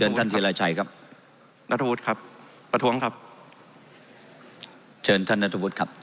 ท่านธีรชัยครับนัทธวุฒิครับประท้วงครับเชิญท่านนัทวุฒิครับ